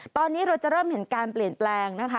ตอนนี้เราจะเริ่มเห็นการเปลี่ยนแปลงนะคะ